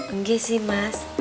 enggak sih mas